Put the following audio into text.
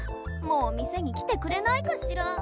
もう店に来てくれないかしら。